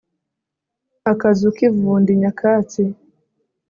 akazu k'ivundi nyakatsi